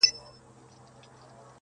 اغــــزي يې وكـــرل دوى ولاړل تريــــنه.